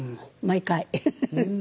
毎回。